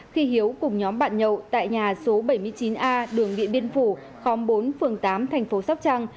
khi hiếu cùng nhóm bạn nhậu tại nhà số bảy mươi chín a đường điện biên phủ khóm bốn phường tám thành phố sóc trăng